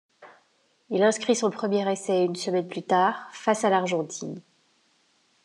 Il inscrit son premier essai une semaine plus tard, face à l'Argentine.